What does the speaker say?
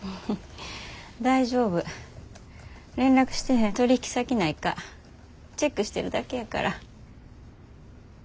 大丈夫。連絡してへん取引先ないかチェックしてるだけやから。